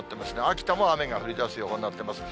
秋田も雨が降りだす予報になっています。